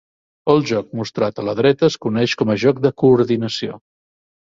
El joc mostrat a la dreta es coneix com a joc de coordinació.